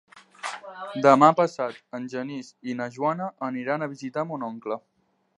Demà passat en Genís i na Joana aniran a visitar mon oncle.